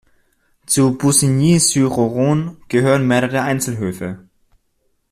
Zu Bussigny-sur-Oron gehören mehrere Einzelhöfe.